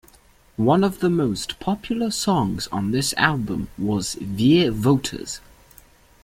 One of the most popular songs on this album was "Viervoeters".